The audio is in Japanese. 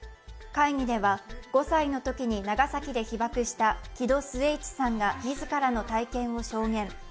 会議では５歳のときに長崎で被爆した木戸季市さんが自らの体験を証言。